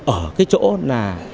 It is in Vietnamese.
ở cái chỗ là